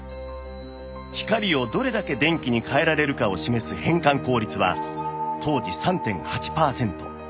光をどれだけ電気に変えられるかを示す変換効率は当時 ３．８ パーセント